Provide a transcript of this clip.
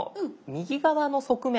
右側の側面。